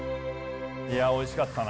いやおいしかったな。